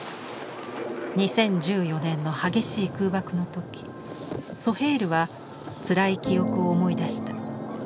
２０１４年の激しい空爆のときソヘイルはつらい記憶を思い出した。